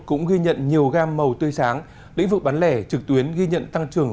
cũng ghi nhận nhiều gam màu tươi sáng lĩnh vực bán lẻ trực tuyến ghi nhận tăng trưởng